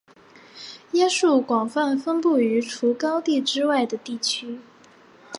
椰树广泛分布于除高地之外的地区。